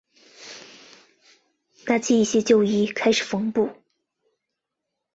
拿起一些旧衣开始缝补